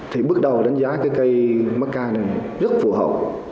thì bước đầu đánh giá cái cây macca này rất phù hợp